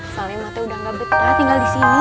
soalnya mati udah gak betah tinggal disini